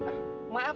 pak gimana ya pak